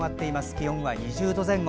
気温２０度前後。